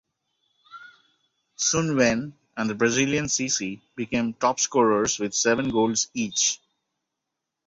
Sun Wen and the Brazilian Sissi became top scorers with seven goals each.